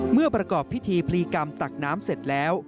เมื่อประกอบพิธีพลีกรรมตักน้ำเสร็จแล้ว